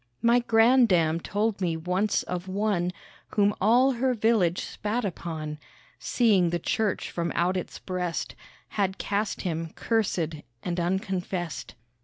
My granddam told me once of one Whom all her village spat upon, Seeing the church from out its breast Had cast him cursed and unconfessed.